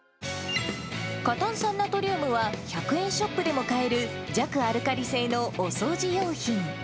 過炭酸ナトリウムは、１００円ショップでも買える弱アルカリ性のお掃除用品。